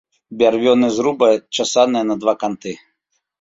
Бярвёны зруба часаныя на два канты.